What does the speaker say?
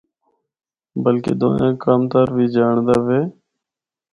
بلکہ دوئیاں کم تر وی جانڑدا وے۔